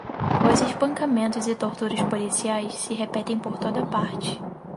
os espancamentos e torturas policiais se repetem por toda parte